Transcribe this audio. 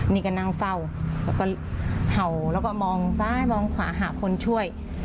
นี่ก็นั่งเฝ้าแล้วก็เห่าแล้วก็มองซ้ายมองขวาหาคนช่วย